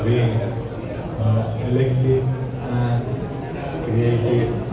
dari universitas islam